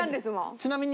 ちなみに。